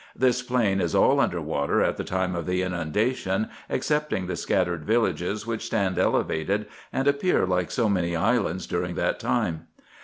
This plain is all under water at the time of the inundation, except ing the scattered villages, which stand elevated, and appear like so many islands during that time.